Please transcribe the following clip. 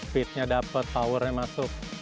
speednya dapet powernya masuk